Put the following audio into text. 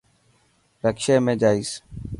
رڪشي ۾ جائس.